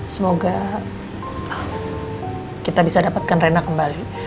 semoga kita bisa dapatkan rena kembali